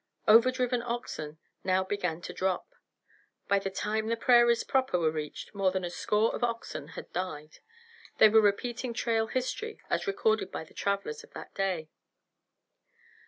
Overdriven oxen now began to drop. By the time the prairies proper were reached more than a score of oxen had died. They were repeating trail history as recorded by the travelers of that day.